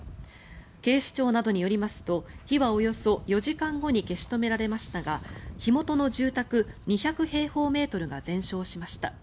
警視庁などによりますと火はおよそ４時間後に消し止められましたが火元の住宅２００平方メートルが全焼しました。